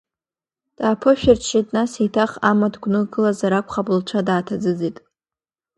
Дааԥышәырччеит, нас еиҭах амаҭ гәнылкылазар акәхап, лцәа дааҭаӡыӡеит.